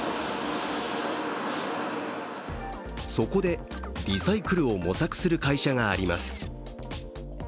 そこで、リサイクルを模索する会社があります。